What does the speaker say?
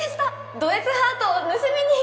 ド Ｓ ハートを盗みに